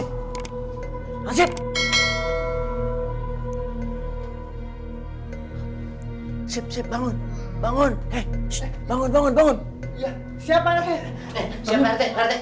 pak rete apa kabar